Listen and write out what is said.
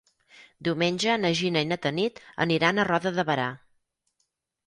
Diumenge na Gina i na Tanit aniran a Roda de Berà.